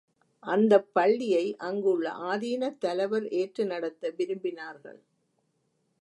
அந்தப் பள்ளியை அங்குள்ள ஆதீனத் தலைவர் ஏற்று நடத்த விரும்பினார்கள்.